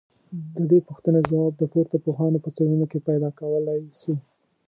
ددې پوښتني ځواب د پورته پوهانو په څېړنو کي پيدا کولای سو